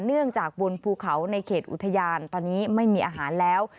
เนื่องจากบนภูเขาในเขตอุทยานตอนนี้ไม่มีอาหารแล้ว